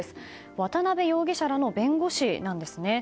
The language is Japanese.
渡辺容疑者らの弁護士なんですね。